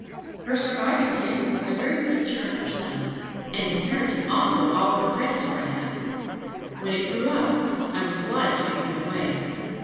Her surviving kitten was the very picture of herself, and inheriting also all her predatory habits; when it grew up, I was obliged to give it away.